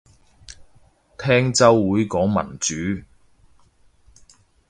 聽週會講民主